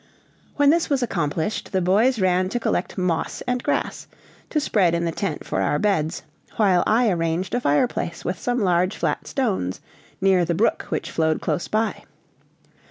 When this was accomplished, the boys ran to collect moss and grass, to spread in the tent for our beds, while I arranged a fireplace with some large flat stones, near the brook which flowed close by.